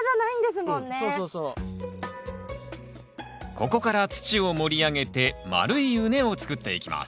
ここから土を盛り上げて丸い畝を作っていきます。